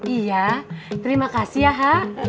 iya terima kasih ya ha